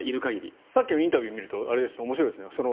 さっきのインタビューを見ると面白いですね